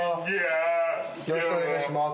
よろしくお願いします。